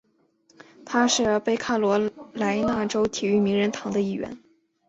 他是北卡罗来纳州体育名人堂的一员。